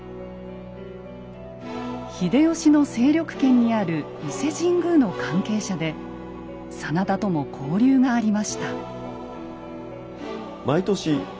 秀吉の勢力圏にある伊勢神宮の関係者で真田とも交流がありました。